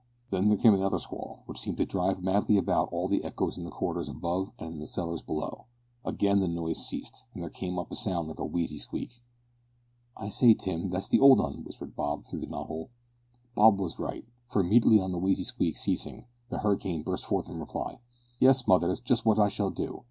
Then there came another squall, which seemed to drive madly about all the echoes in the corridors above and in the cellars below. Again the noise ceased, and there came up a sound like a wheezy squeak. "I say, Tim, that's the old 'un," whispered Bob through the knot hole. Bob was right, for immediately on the wheezy squeak ceasing, the hurricane burst forth in reply: "Yes, mother, that's just what I shall do.